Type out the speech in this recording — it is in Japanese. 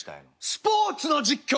スポーツの実況！